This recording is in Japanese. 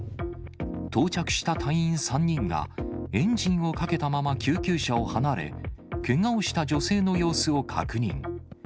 到着した隊員３人が、エンジンをかけたまま救急車を離れ、けがをした女性の様子を確認。